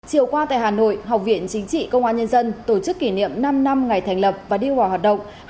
chiều qua tại hà nội học viện chính trị công an nhân dân tổ chức kỷ niệm năm năm ngày thành lập và đi vào hoạt động